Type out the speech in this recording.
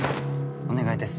お願いです。